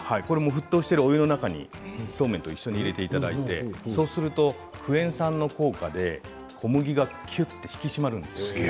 沸騰しているお湯の中にそうめんと一緒に入れていただいて、そうするとクエン酸の効果で小麦がきゅっと引き締まるんです。